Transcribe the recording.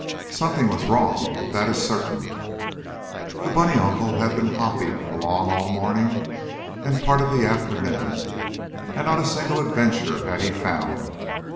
Something was wrong, that is certain. The bunny uncle had been hopping along all the morning, and part of the afternoon, and not a single adventure had he found.